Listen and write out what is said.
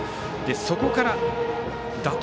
そこから打倒